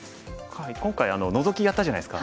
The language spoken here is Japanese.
今回ノゾキやったじゃないですか。